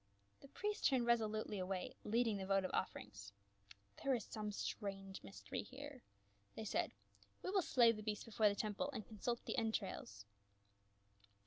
The priests turned resolutely away, leading the vo tive offerings. "There is some strange mystery here," they said. " We will slay the beasts before the tem ple and consult the entrails."